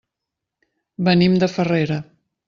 Venim de Farrera.